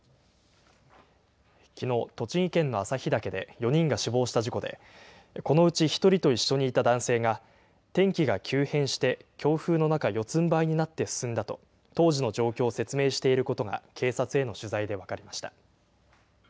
きのう、栃木県の朝日岳で４人が死亡した事故で、このうち１人と一緒にいた男性が、天気が急変して、強風の中、四つんばいになって進んだと、当時の状況を説明していることが警察への取材で分かりました。